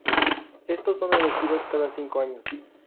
Estos son elegidos cada cinco años.